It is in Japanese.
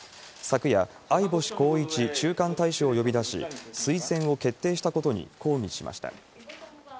昨夜、相星孝一駐韓大使を呼び出し、推薦を決定したことに抗議しました。